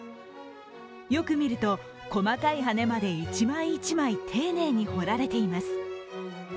よく見ると、細かい羽まで１枚１枚丁寧に彫られています。